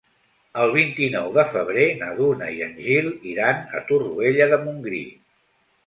El vint-i-nou de febrer na Duna i en Gil iran a Torroella de Montgrí.